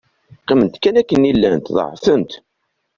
Qqiment kan akken i llant, ḍeɛfent.